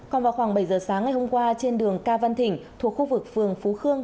còn vào khoảng bảy giờ sáng ngày hôm qua trên đường cao văn thỉnh thuộc khu vực phường phú khương